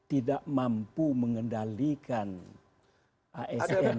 tidak mampu mengendalikan asn